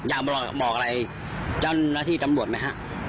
อยากบอกอะไรเจ้าหน้าที่ตำรวจไหมฮะ